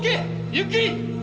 ゆっくり！